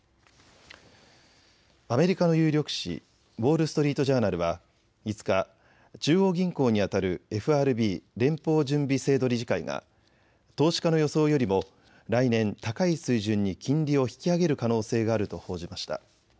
アメリカの有力紙、ウォール・ストリート・ジャーナルは５日、中央銀行にあたるＦＲＢ・連邦準備制度理事会が投資家の予想よりも来年、高い水準に金利を引き上げる可能性があると報じました。